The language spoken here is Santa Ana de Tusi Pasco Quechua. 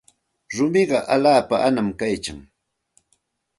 Rumiqa allaapa anam kaykan.